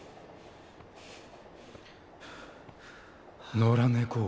野良猫。